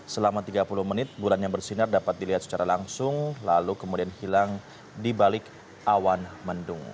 selama tiga puluh menit bulan yang bersinar dapat dilihat secara langsung lalu kemudian hilang di balik awan mendung